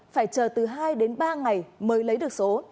phải chờ từ hai đến ba ngày mới lấy được số